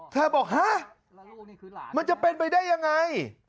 บอกฮะมันจะเป็นไปได้ยังไง